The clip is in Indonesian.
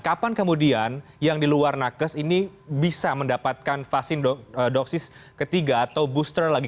kapan kemudian yang di luar nakes ini bisa mendapatkan vaksin dosis ketiga atau booster lagi